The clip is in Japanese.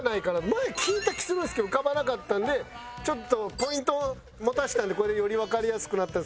前聞いた気するんですけど浮かばなかったんでちょっとポイント持たせたんでこれでよりわかりやすくなった。